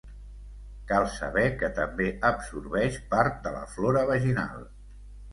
Cal saber que també absorbeix part de la flora vaginal.